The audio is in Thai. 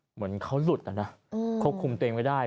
เหมือนเขาหลุดอะนะควบคุมตัวเองไม่ได้